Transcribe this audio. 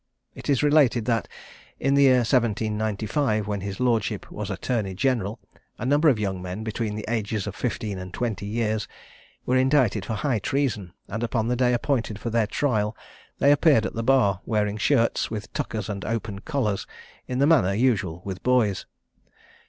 It is related, that, in the year 1795, when his lordship was attorney general, a number of young men, between the ages of fifteen and twenty years, were indicted for high treason, and upon the day appointed for their trial they appeared at the bar, wearing shirts with tuckers and open collars, in the manner usual with boys.